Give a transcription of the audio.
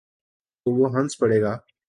تو وہ ہنس پڑے گا۔